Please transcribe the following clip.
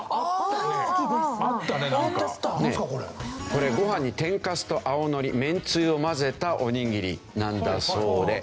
これご飯に天かすと青のりめんつゆを混ぜたおにぎりなんだそうで。